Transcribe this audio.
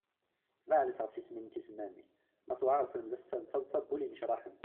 Beɛɛed-it ɣef tismin tisemmamin, ma tweɛɛaḍ, selmed-as sser n taḍsa n wul yennecṛaḥen.